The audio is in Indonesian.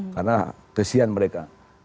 karena kesian mereka